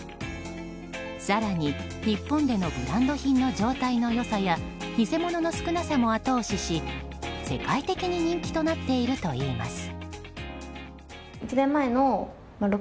更に日本でのブランド品の状態の良さや偽物の少なさも後押しし世界的に人気となっているといいます。